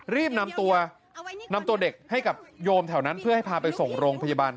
รีบนำตัวนำตัวเด็กให้กับโยมแถวนั้นเพื่อให้พาไปส่งโรงพยาบาล